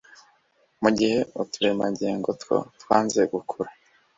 mu gihe uturemangingo two twanze gukura